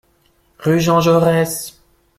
Rue Jean Jaurès.